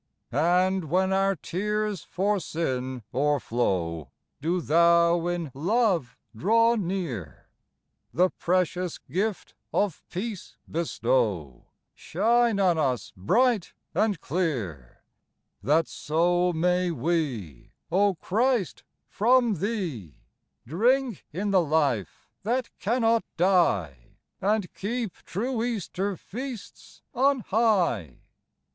And, when our tears for sin o'erflow, Do Thou in love draw near, The precious gift of peace bestow, Shine on us bright and clear ; That so may we, O Christ, from Thee, Drink in the life that cannot die, And keep true Easter feasts on high.